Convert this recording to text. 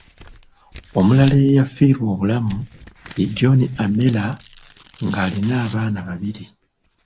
Omulala eyafiirwa obulamu ye John Amera, ng’alina abaana babiri .